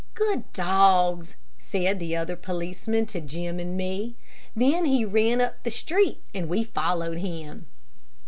"Good dogs," said the other policeman to Jim and me. Then he ran up the street and we followed him.